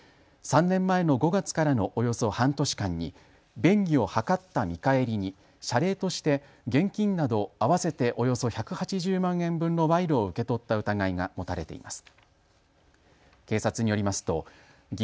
３年前の５月からのおよそ半年間に便宜を図った見返りに謝礼として現金など合わせておよそ１８０万円分の賄賂を受け取った疑いが持たれています。